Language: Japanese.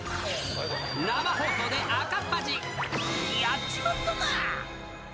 生放送で赤っ恥、やっちまったなぁ！